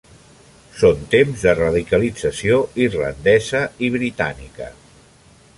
Són temps de radicalització irlandesa i britànica.